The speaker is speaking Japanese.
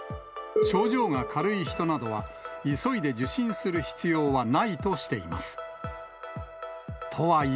症状が軽い人などは、急いで受診する必要はないとしています。